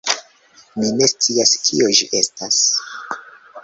Mi ne scias kio ĝi estas.